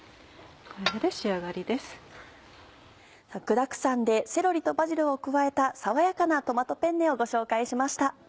具だくさんでセロリとバジルを加えた爽やかなトマトペンネをご紹介しました。